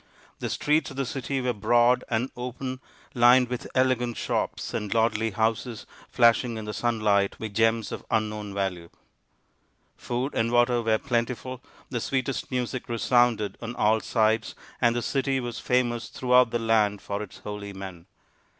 The streets of the city were broad and open, lined with elegant shops and lordly houses flashing in the sun light with gems of unknown value. Food and water were plentiful, the sweetest music resounded on all sides, and the city was famous throughout the land for its holy men.